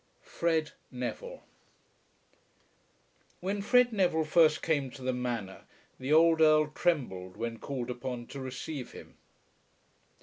FRED NEVILLE. When Fred Neville first came to the Manor, the old Earl trembled when called upon to receive him.